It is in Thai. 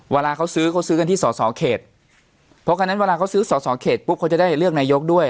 เวลาเขาซื้อเขาซื้อกันที่สอสอเขตเพราะคันนั้นเวลาเขาซื้อสอสอเขตปุ๊บเขาจะได้เลือกนายกด้วย